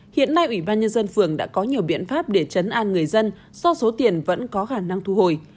hiện nay ủy ban nhân dân phường đã có nhiều biện pháp để chấn an người dân do số tiền vẫn có khả năng thu hồi